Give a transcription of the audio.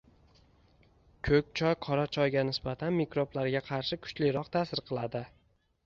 Ko‘k choy qora choyga nisbatan mikroblarga qarshi kuchliroq ta’sir qiladi.